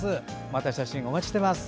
また写真お待ちしています。